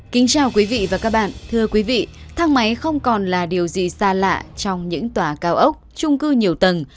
kính chào quý vị và các bạn thưa quý vị thang máy không còn là điều gì xa lạ trong những tòa cao ốc trung cư nhiều tầng